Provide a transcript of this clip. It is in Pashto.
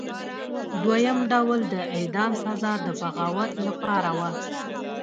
دویم ډول د اعدام سزا د بغاوت لپاره وه.